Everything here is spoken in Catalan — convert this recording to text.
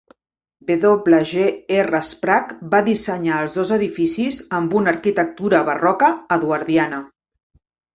W. G. R. Sprague va dissenyar els dos edificis amb una arquitectura barroca eduardiana.